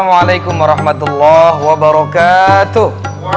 waalaikumsalam warahmatullah wabarakatuh